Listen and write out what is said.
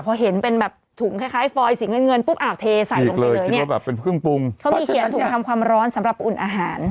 พอเห็นเป็นแบบถุงคล้ายคล้ายฟอยสีเงินเงินปุ๊บอ่าวเทใส่ลงไปเลยเนี่ยก็แบบเป็นเครื่องปรุงเขามีเขียนถุงทำความร้อนสำหรับอุ่นอาหาร